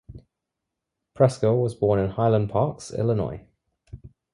Preskill was born in Highland Park, Illinois.